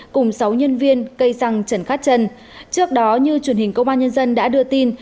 cùng sáu nhân viên cây xăng trần khát trân trước đó như truyền hình công an nhân dân đã đưa tin